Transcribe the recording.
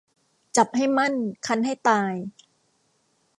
จับให้มั่นคั้นให้ตาย